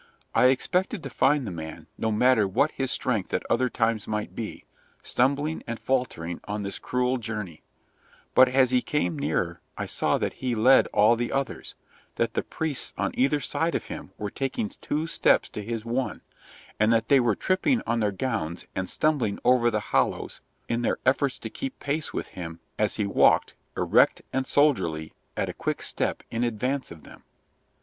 I expected to find the man, no matter what his strength at other times might be, stumbling and faltering on this cruel journey; but as he came nearer I saw that he led all the others, that the priests on either side of him were taking two steps to his one, and that they were tripping on their gowns and stumbling over the hollows in their efforts to keep pace with him as he walked, erect and soldierly, at a quick step in advance of them.